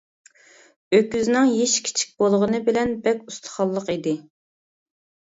ئۆكۈزنىڭ يېشى كىچىك بولغىنى بىلەن بەك ئۇستىخانلىق ئىدى.